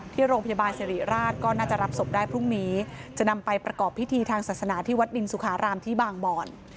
ที่โรงพยาบาลสิริราชก็น่าจะรับศพได้พรุ่งนี้จะนำไปประกอบพิธีทางศาสนาที่วัดดินสุขารามที่บางบ่อน